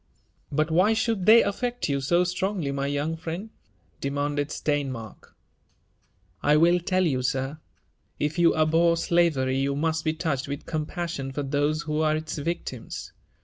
"" But why should they aflfect you so strongly, my young friend V demanded Steinmark. •' I will tell you, sir. If you abhor slavery, you must be touched with compassion for those who are its victims.